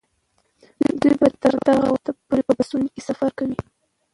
دوی به تر هغه وخته پورې په بسونو کې سفر کوي.